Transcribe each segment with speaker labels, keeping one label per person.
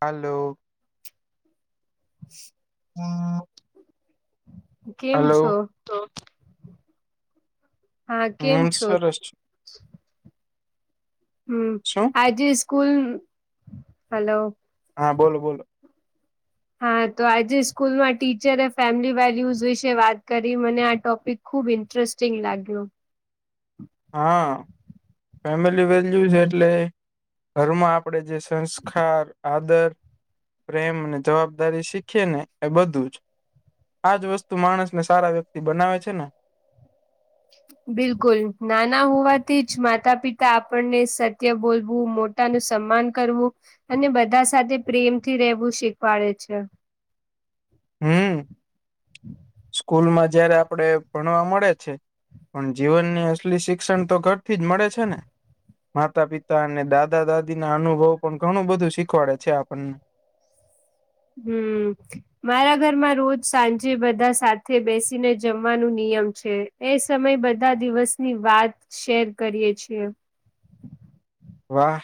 Speaker 1: હાલો.
Speaker 2: હ [unintelligible]
Speaker 1: [unintelligible]
Speaker 2: કેમ
Speaker 1: હલો
Speaker 2: છો? હા
Speaker 1: હું
Speaker 2: કેમ છો
Speaker 1: સરસ છે
Speaker 2: હું
Speaker 1: શું
Speaker 2: આજે સ્કૂલ હાલો
Speaker 1: હા બોલો બોલો
Speaker 2: હા તો આજે સ્કૂલમાં ટીચરે ફેમિલી વેલ્યુઝ વિશે વાત કરી મને આ ટોપિક ખૂબ ઇન્ટરેસ્ટિંગ લાગ્યું
Speaker 1: હા ફેમિલી વેલ્યુઝ એટલે ઘરમાં આપડે જે સંસ્ખાર આત દર પ્રેમ અને જવાબદારી શીખીએ ને એ બધું જ આજ વસ્તુ માણસ ને સારા વ્યક્તિ બનાવે છે ને.
Speaker 2: બિલકુલ નાના હોવાથી જ માતા પિતા આપણને સત્ય બોલવું મોટ તાનું સમ્માન કરવું અને બધા સાથે પ્રેમથી રહેવું શીખવાડે છે.
Speaker 1: હમ સ્કૂલમાં જયારે આપડે ભણવા મળે છે. પણ જીવનની અસલી શિક્ષણ તો ઘર થી જ મળે છે ને માતા પિતા અને દાદા દાદી ના અનુભવ પણ ઘણું બધું શીખવાડે છે. આપણને
Speaker 2: હમ.. મારા ઘરમાં રોજ સાંજે બધા સાથે બેસીને જમવાનું નિયમ છે. એ સમય બધા દિવસની વાત શેર કરીએ છીએ.
Speaker 1: વાહ!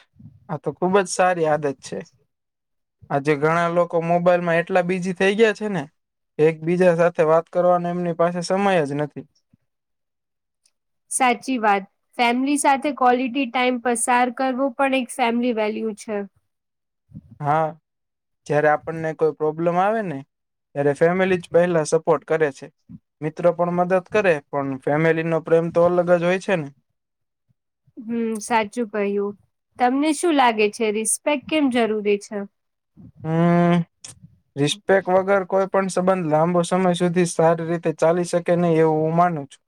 Speaker 1: આ તો ખુબજ સારી આદત છે. આજે ઘણા લોકો મોબાઈલમાં એટલા બીઝી થઈ ગયા છે ને એકબીજા સાથે વાત કરવાનો એમની પાસે સમય જ નથી.
Speaker 2: સાચી વાત ફેમિલી સાથે કોલિટી ટાઈમ પસાર કરવો પણ એક ફેમિલી વેલ્યુ છે.
Speaker 1: હા... અ જયારે આપણને કોઈ પ્રોબ્લમ આવે ને ત્યારે ફેમિલી જ પહેલા સપોર્ટ કરે છે. મિત્રો પણ મદદ કરે પણ ફેમિલી નો પ્રેમ તો અલગ જ હોય છે ને
Speaker 2: હમ સાચું કહ્યું તમને શું લાગે છે, રિસ્પેક કેમ જરૂરી છે.
Speaker 1: હમ.. અ રિસ્પેક વગર કોઈ પણ સંબંધ લાંબો સમય સુધી સારી રીતે ચાલી શકે નહી એવું હું માનુ છું.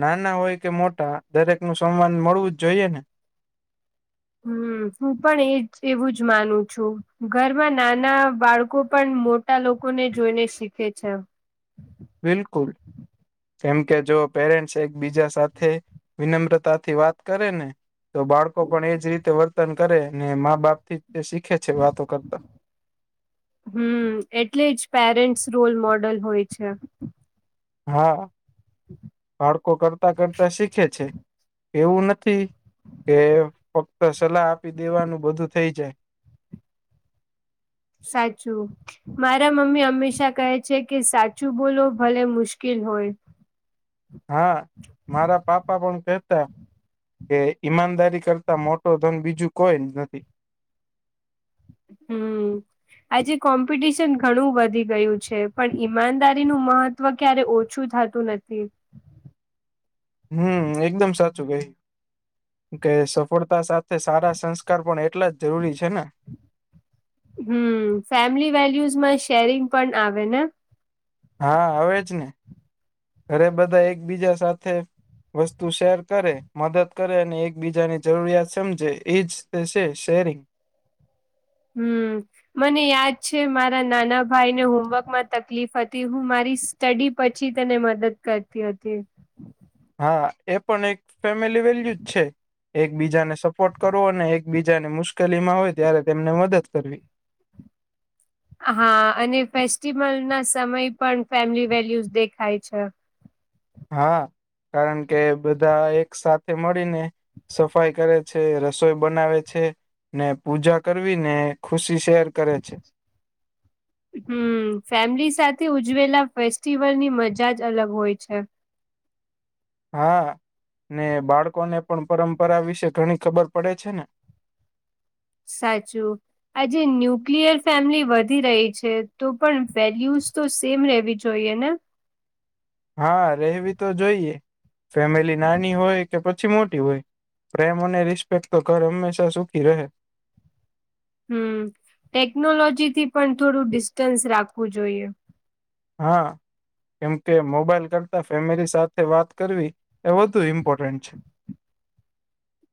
Speaker 1: નાના હોય કે મોટા દરેકનું સન્માન મળવું જ જોઈએ ને
Speaker 2: હમ હું પણ એજ એવું જ માનું છું. ઘરમાં નાના બાળકો પણ મોટા લોકો ને જોઈને શીખે છે.
Speaker 1: બિલકુલ. કેમ કે જો પેરેન્ટ્સ એકબીજા સાથે વિનમ્રતાથી વાત કરે ને તો બાળકો પણ એજ રીતે વર્તન કરે ને મા બાપથી તે શીખે છે. વાતો કરતા
Speaker 2: હમ એટલે જ પેરેન્ટ્સ રોલ મોડલ હોય છે.
Speaker 1: હા.. અ
Speaker 2: હ [unintelligible]
Speaker 1: બાળકો કરતા કરતા શીખે છે. એવું નથી કે ફક્ત સલાહ આપી દેવાનું બધું થઈ જાય.
Speaker 2: સાચું. મારા મમ્મી હંમેશા કહે છે કે સાચું બોલો ભલે મુશ્કેલ હોય.
Speaker 1: હા મારા પાપા પણ કેતા. કે ઈમાનદારી કરતા મોટો ધન બીજું કોઈ જ નથી.
Speaker 2: હમ. આજે કોમ્પિટિશન ઘણું વધી ગયું છે પણ ઈમાનદારીનું મહત્વ તવ ક્યારે ઓછું થતું નથી.
Speaker 1: હમ એકદમ સાચું કઈ. કે સફળતા સાથે સારા સંસ્કાર પણ એટલા જ જરૂરી છે ને
Speaker 2: હમ ફેમિલી વેલ્યુઝમાં શેરિંગ પણ આવે ને
Speaker 1: હા હવે જ ને અરે બધા એકબીજા સાથે વસ્તુ શેર કરે મદદ કરે અને એકબીજાની જરૂરિયાત સમજે એ જ તે છે શેરિંગ
Speaker 2: હમ. મને યાદ છે મારા નાના ભાઈને હોમવર્ક માં તકલીફ હતી. હું મારી સ્ટડી પછી તેને મદદ કરતી હતી.
Speaker 1: હા એ પણ એક ફેમિલી વેલ્યુ જ છે. એકબીજાને સપોર્ટ કરવો અને એકબીજાને મુશ્કેલી માં હોય ત્યારે તેમને મદદ કરવી.
Speaker 2: હા અને ફેસ્ટિવલના સમય પણ ફેમિલી વેલ્યુઝ દેખાય છે.
Speaker 1: હા. કારણ કે બધા એક સાથે મળીને સફાઈ કરે છે. રસોઈ બનાવે છે. ને પૂજા કરવી ને ખુશી શેર કરે છે.
Speaker 2: હમ ફેમિલી સાથે ઉજવેલા ફેસ્ટિવલ ની મજા જ અલગ હોય છે.
Speaker 1: હા ને બાળકો ને પણ પરંપરા વિશે ઘણી ખબર પડે છે, ને
Speaker 2: સાચું. આજે ન્યુક્લિયર ફેમિલી વધી રહી છે તો પણ વેલ્યુઝ તો સેમ રહેવી જોઈએ ને.
Speaker 1: હા રહેેવી તો જોઈએ ફેમિલી નાની હોય કે પછી મોટી હોય. પ્રેમ અને રિસ્પેક્ટ તો ઘર હંમેશા સુખી રહે.
Speaker 2: હમ ટેકનોલોજી થી પણ થોડું ડિસ્ટન્સ રાખવું જોઈએ.
Speaker 1: હા. કેમકે મોબાઈલ કરતા ફેમિલી સાથે વાત કરવી એ વધુ ઇમ્પોર્ટન્ટ છે.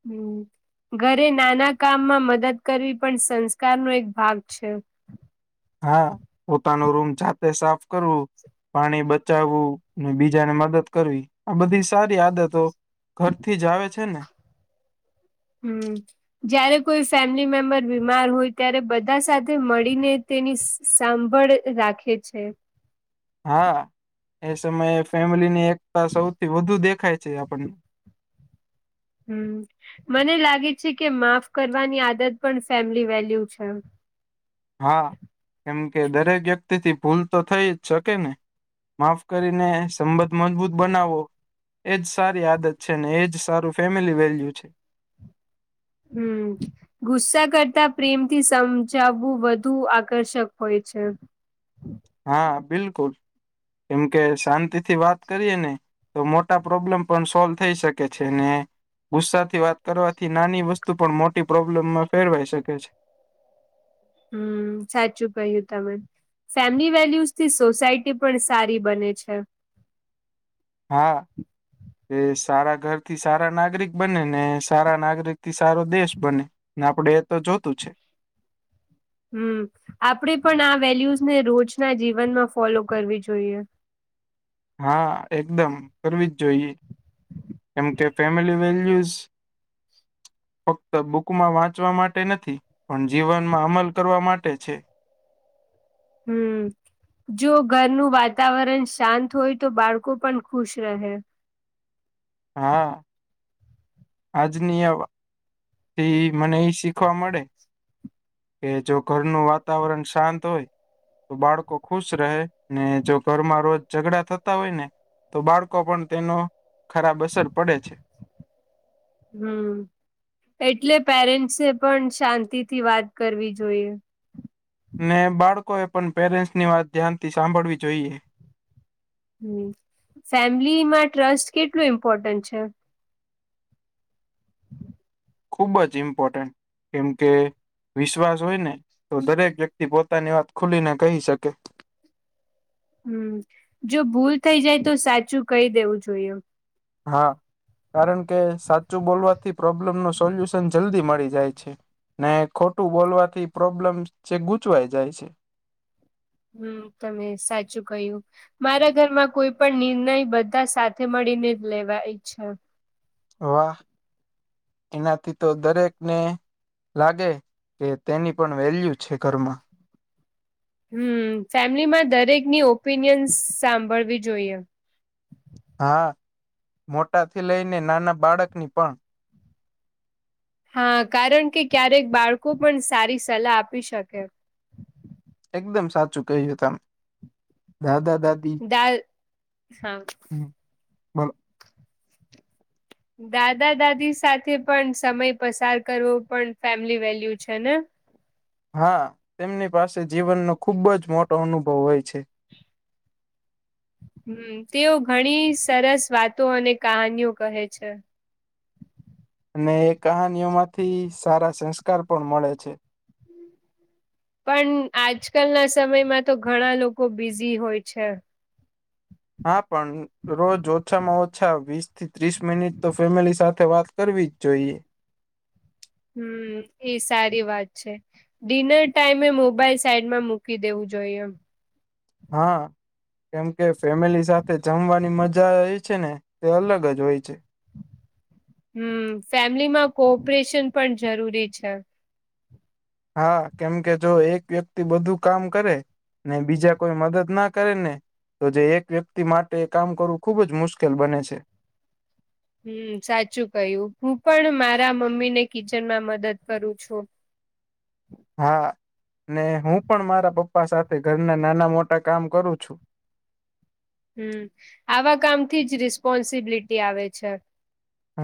Speaker 2: હમ ઘરે નાના કામમાં મદદ કરવી પણ સંસ્કાર નો એક ભાગ છે.
Speaker 1: હા પોતાનો રૂમ જાતે સાફ કરવું. પાણી બચાવવું ને બીજાને મદદ કરવી આ બધી સારી આદતો. ઘરથી જ આવે છે ને.
Speaker 2: હમ જયારે કોઈ ફેમિલી મેમ્બર બીમાર હોય ત્યારે બધા સાથે મળીને. તેની સાંભળ રાખે છે.
Speaker 1: હા એ સમયે ફેમિલી ની એકતા સૌથી વધુ દેખાય છે આપણને
Speaker 2: હમ મને લાગે છે કે માફ કરવાની આદત પણ ફેમિલી વેલ્યુ છે.
Speaker 1: હા કેમ કે દરેક વ્યક્તિ થી ભૂલ તો થઈ જ શકે ને. માફ કરીને સંબંધ મજબૂત બનાવો. એજ સારી આદત છે ને એજ સારું ફેમિલી વેલ્યુ છે.
Speaker 2: હમ. ગુસ્સા કરતા પ્રેમથી સમજાવવું વધુ આકર્ષક હોય છે.
Speaker 1: હા બિલકુલ કેમ કે શાંતિથી વાત કરીએ ને તો મોટા પ્રોબ્લેમ પણ સોલ્વ થઈ શકે છે, ને ગુસ્સાથી વાત કરવાથી નાની વસ્તુ પણ મોટી પ્રોબ્લેમમાં ફેરવાઈ શકે છે.
Speaker 2: હમ સાચું કહ્યું તમે ફેમિલી વેલ્યુઝથી સોસાયટી પણ સારી બને છે.
Speaker 1: હા. એ સારા ઘર થી સારા નાગરિક બને ને સારા નાગરિક થી સારો દેશ બને. ને આપડે એ તો જોતું છે.
Speaker 2: હમ આપડે પણ આ વેલ્યુઝને રોજના જીવનમાં ફોલો કરવી જોઈએ.
Speaker 1: હા એકદમ કરવી જ જોઈએ. કેમ કે ફેમિલી વેલ્યુઝ ફક્ત બુકમાં વાંચવા માટે નથી પણ જીવનમાં અમલ કરવા માટે છે.
Speaker 2: હમ. જો ઘરનું વાતાવરણ શાંત હોય તો બાળકો પણ ખુશ રહે
Speaker 1: હા આજની આ વા થી મને એ શીખવા મળે કે જો ઘરનું વાતાવરણ શાંત હોય તો બાળકો ખુશ રહે ને જો ઘરમાં રોજ ઝઘડા થતા હોય ને તો બાળકો પણ તેનો ખરાબ અસર પડે છે.
Speaker 2: હમ એટલે પેરેન્ટસે પણ શાંતિ થી વાત કરવી જોઈએ
Speaker 1: ને બાળકોએ પણ પેરેન્ટ્સની વાત ધ્યાનથી સાંભળવી જોઈએ
Speaker 2: હમ ફેમિલીમાં ટ્રસ્ટ કેટલું ઇમ્પોર્ટન્ટ છે? હ
Speaker 1: ખુબ જ ઇમ્પોર્ટન્ટ કેમ કે વિશ્વાસ હોય ને તો દરેક વ્યક્તિ પોતાની વાત ખુલીને કહી શકે
Speaker 2: હમ જો ભૂલ થઇ જાય તો સાચું કહી દેવું જોઈએ
Speaker 1: હા કારણ કે સાચું બોલવાથી પ્રોબ્લેમ નુ સોલ્યુશન જલ્દી મળી જાય છે. ને ખોટું બોલવાથી પ્રોબ્લેમ જે ગૂંચવાઈ જાય છે.
Speaker 2: હમ તમે સાચું કયું મારા ઘરમાં કોઈ પણ નિર્ણય બધા સાથે મળીને જ લેવાય છે.
Speaker 1: વાહ એનાથી તો દરેકને લાગે કે તેની પણ વેલ્યુ છે, ઘરમાં
Speaker 2: હમ ફેમિલીમાં દરેકની ઓપિનિયન્સ સાંભળવી જોઈએ
Speaker 1: હા મોટાથી લઈને નાના બાળક ની પણ
Speaker 2: હા કારણ કે ક્યારેક બાળકો પણ સારી સલાહ આપી શકે
Speaker 1: એકદમ સાચું કહ્યું તમ દાદા દાદી
Speaker 2: દા હા
Speaker 1: હમ. બોલો
Speaker 2: દાદા દાદી સાથે પણ સમય પસાર કરવો પણ ફેમિલી વેલ્યુ છે, ને
Speaker 1: હા તેમની પાસે જીવનનો ખુબ જ મોટો અનુભવ હોય છે.
Speaker 2: હમ તેઓ ઘણી સરસ વાતો અને કહાનીઓ કહે છે.
Speaker 1: અને એ કહાનીઓ માંથી સારા સંસ્કાર પણ મળે છે.
Speaker 2: પણ આજકાલના સમયમાં તો ઘણા લોકો બિઝી હોય છે.
Speaker 1: હા પણ રોજ ઓછામાં ઓછા વીસ થી ત્રીસ મિનિટતો ફેમિલી સાથે વાત કરવી જ જોઈએ
Speaker 2: હમ એ સારી વાત છે. ડિનર ટાઈમે મોબાઈલ સાઈડમાં મૂકી દેવું જોઈએ એમ
Speaker 1: હા. કેમ કે ફેમિલી સાથે જમવાની મજા જે છે, ને તે અલગ જ હોય છે.
Speaker 2: હમ ફેમિલીમાં કોપરેશન પણ જરૂરી છે
Speaker 1: હા કેમકે જો એક વ્યક્તિ બધું કામ કરે ને બીજા કોઈ મદદ ના કરે ને તો જે એક વ્યક્તિ માટે કામ કરવું ખુબ જ મુશ્કેલ બને છે
Speaker 2: હમ સાચું કહ્યું હું પણ મારા મમ્મી ને કિચન માં મદદ કરું છું.
Speaker 1: હા ને હું પણ મારા પપ્પા સાથે ઘરના નાના મોટા કામ કરું છું.
Speaker 2: હમ આવા કામથી જ રિસ્પોન્સિબિલિટી આવે છે.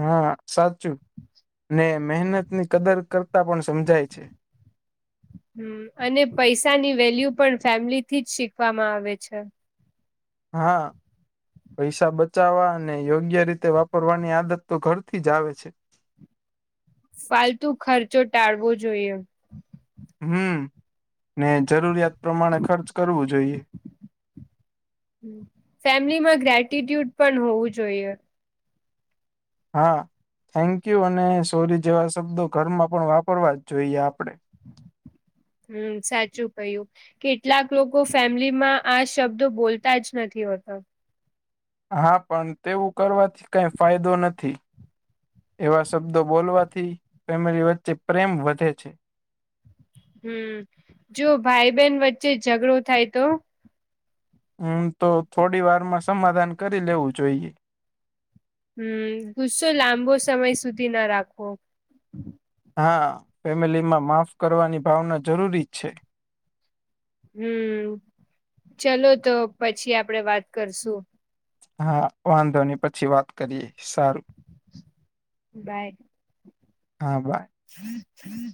Speaker 1: હા સાચું ને મહેનતની કદર કરતા પણ સમજાય છે.
Speaker 2: હમ અને પૈસાની વેલ્યુ પણ ફેમિલીથી જ શીખવામાં આવે છે.
Speaker 1: હા. પૈસા બચાવવા અને યોગ્ય રીતે વાપરવાની આદત તો ઘરથી જ આવે છે.
Speaker 2: ફાલતુ ખર્ચો ટાળવો જોઈએ
Speaker 1: હમ ને જરૂરિયાત પ્રમાણે ખર્ચ કરવું જોઈએ
Speaker 2: ફેમિલીમાં ગ્રેટિટ્યુડ પણ હોવું જોઈએ.
Speaker 1: હા થેન્ક યુ અને સોરી જેવા શબ્દો ઘરમાં પણ વાપરવા જ જોઈએ આપડે. [inaudible]
Speaker 2: હમ સાચું કયું. કેટલાક લોકો ફેમિલીમાં આ શબ્દો બોલતા જ નથી હોતા.
Speaker 1: હા પણ તેવું કરવાથી કઈ ફાયદો નથી. એવા શબ્દો બોલવાથી ફેમિલી વચ્ચે પ્રેમ વધે છે.
Speaker 2: હમ જો ભાઈ બહેન વચ્ચે ઝઘડો થાય તો
Speaker 1: હમ તો થોડી વારમાં સમાધાન કરી લેવું જોઈએ
Speaker 2: હમ ગુસ્સો લાંબો સમય સુધી ના રાખો
Speaker 1: હા ફેમિલી માં માફ કરવાની ભાવના જરૂરી જ છે.
Speaker 2: હમ ચલો તો પછી આપડે વાત કરશું
Speaker 1: હા વાંધો ની પછી વાત કરીએ સારું
Speaker 2: બાય
Speaker 1: હા બાય
Speaker 2: હમ હમ